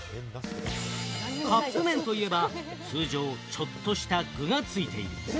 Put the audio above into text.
カップ麺といえば通常、ちょっとした具がついている。